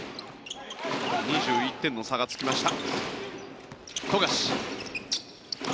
２１点の差がつきました。